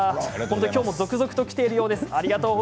今日も続々ときているようです。